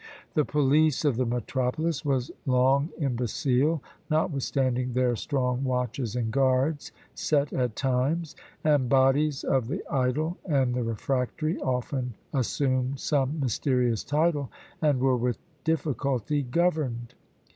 The police of the metropolis was long imbecile, notwithstanding their "strong watches and guards" set at times; and bodies of the idle and the refractory often assumed some mysterious title, and were with difficulty governed.